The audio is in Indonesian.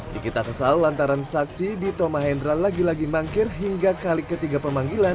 nikita kesal lantaran saksi dito mahendra lagi lagi mangkir hingga kali ketiga pemanggilan